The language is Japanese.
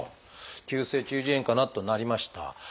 「急性中耳炎かな」となりました。